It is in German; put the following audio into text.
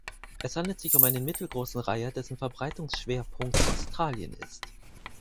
Es handelt sich um einen mittelgroßen Reiher, dessen Verbreitungsschwerpunkt Australien ist.